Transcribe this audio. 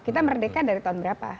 kita merdeka dari tahun berapa